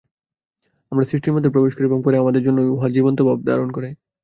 আমরা সৃষ্টির মধ্যে প্রবেশ করি এবং পরে আমাদেরই জন্য উহা জীবন্তভাব ধারণ করে।